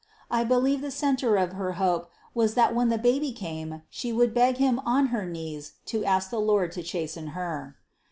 I believe the centre of her hope was that when the baby came she would beg him on her knees to ask the Lord to chasten her.